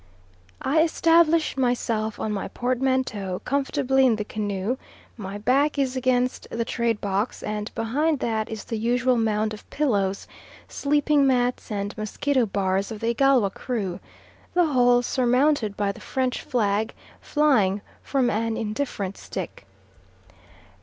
I establish myself on my portmanteau comfortably in the canoe, my back is against the trade box, and behind that is the usual mound of pillows, sleeping mats, and mosquito bars of the Igalwa crew; the whole surmounted by the French flag flying from an indifferent stick.